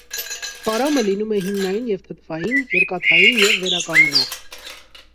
Խարամը լինում է հիմնային և թթվային, երկաթային և վերականգնող։